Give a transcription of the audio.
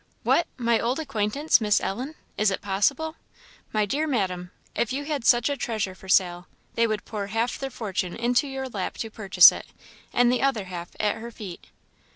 "What, my old acquaintance, Miss Ellen! is it possible! My dear madam, if you had such a treasure for sale, they would pour half their fortune into your lap to purchase it, and the other half at her feet."